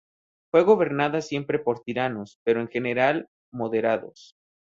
Fue gobernada siempre por tiranos, pero en general moderados.